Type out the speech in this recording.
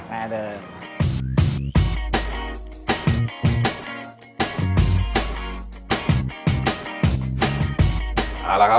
ไปดึง